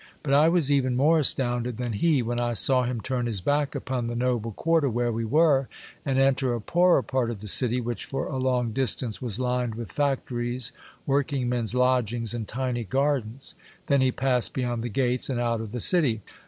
But I was even more astounded than he when I saw him turn his back upon the noble quarter where we were, and enter a poorer part of the city, which for a long distance was lined with factories, working men's lodgings, and tiny gardens ; then he passed beyond the gates and out of the city.